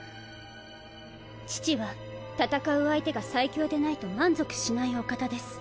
父は戦う相手が最強でないと満足しないお方です。